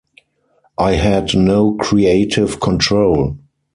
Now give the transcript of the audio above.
I had no creative control.